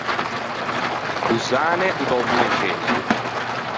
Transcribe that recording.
O Zane o dà o bon exempio.